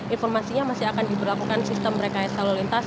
informasinya masih akan diberlakukan sistem rekayasa lalu lintas